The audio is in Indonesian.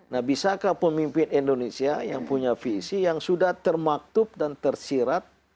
nah bisakah pemimpin indonesia yang punya visi yang sudah termaktub dan tersirat